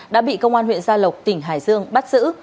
đã bị công an huyện gia lộc tỉnh hải dương bắt giữ